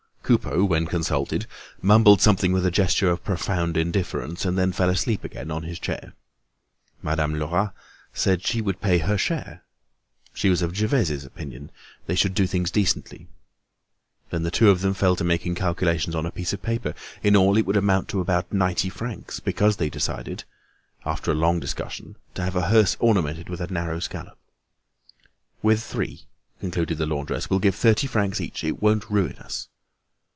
Coupeau, when consulted, mumbled something with a gesture of profound indifference, and then fell asleep again on his chair. Madame Lerat said that she would pay her share. She was of Gervaise's opinion, they should do things decently. Then the two of them fell to making calculations on a piece of paper: in all, it would amount to about ninety francs, because they decided, after a long discussion, to have a hearse ornamented with a narrow scallop. "We're three," concluded the laundress. "We'll give thirty francs each. It won't ruin us."